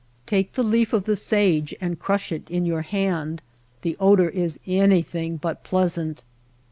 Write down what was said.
Take the leaf of the sage and crush it in your hand. The odor is anything but pleasant.